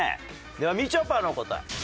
ではみちょぱの答え。